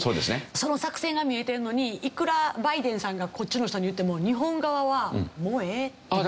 その作戦が見えてるのにいくらバイデンさんがこっちの人に言うても日本側はもうええってならないんですか？